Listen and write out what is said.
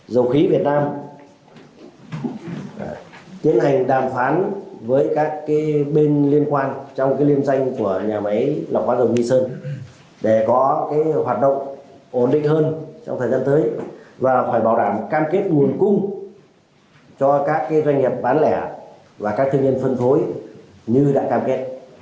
để có cái hoạt động ổn định hơn trong thời gian tới và phải bảo đảm cam kết nguồn cung cho các doanh nghiệp bán lẻ và các thương nhân phân phối như đã cam kết